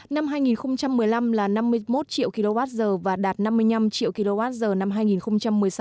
năm hai nghìn một mươi năm là năm mươi một triệu kwh và đạt năm mươi năm triệu kwh năm hai nghìn một mươi sáu